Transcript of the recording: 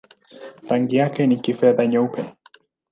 Rangi yake ni kifedha-nyeupe.